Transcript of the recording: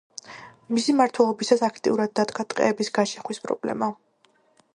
მისი მმართველობისას აქტიურად დადგა ტყეების გაჩეხვის პრობლემა.